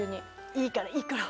いいからいいから。